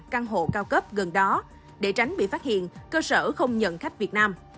căn hộ cao cấp gần đó để tránh bị phát hiện cơ sở không nhận khách việt nam